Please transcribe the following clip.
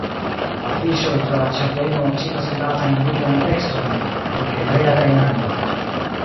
Afiŝoj tra la ĝardeno citas rilatajn judajn tekstojn en hebrea kaj en angla.